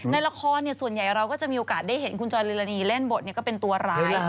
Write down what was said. ในละครส่วนใหญ่เราก็จะมีโอกาสได้เห็นคุณจอยลิลานีเล่นบทก็เป็นตัวร้าย